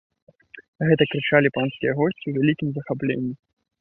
Гэта крычалі панскія госці ў вялікім захапленні.